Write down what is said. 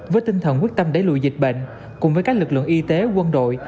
với tinh thần quyết tâm đẩy lùi dịch bệnh cùng với các lực lượng y tế quân đội